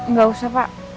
gak usah pak